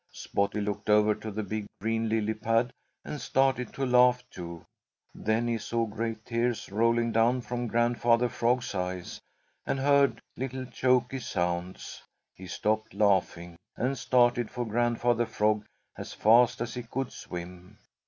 Spotty looked over to the big green lily pad and started to laugh too. Then he saw great tears rolling down from Grandfather Frog's eyes and heard little choky sounds. He stopped laughing and started for Grandfather Frog as fast as he could swim.